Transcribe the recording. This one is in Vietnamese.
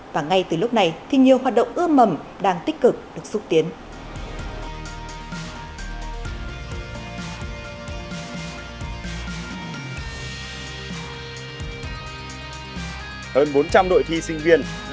và ngay từ lúc này thì nhiều hoạt động ưa mầm đang tích cực được xúc tiến